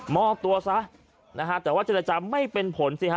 มอบตัวซะนะฮะแต่ว่าเจรจาไม่เป็นผลสิฮะ